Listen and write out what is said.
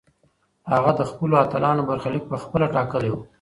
هغه د خپلو اتلانو برخلیک پخپله ټاکلی و.